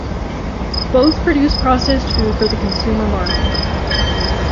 Both produce processed food for the consumer market.